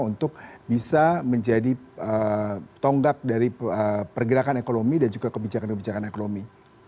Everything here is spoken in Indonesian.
untuk bisa menjadi tonggak dari pergerakan ekonomi dan juga kebijakan kebijakan ekonomi